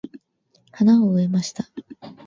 花を植えました。